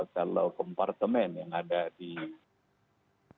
kalau kompartemen yang ada di dalam gelar perkara ini tidak bisa diundang